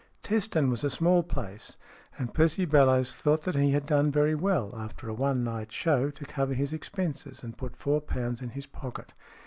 Teston was a small place, ajid Percy Bellowes thought that he had done very well, after a one night show, to cover his expenses and put four pounds in his pocket.